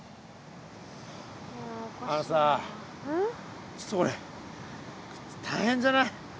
あのさちょっとこれ大変じゃない？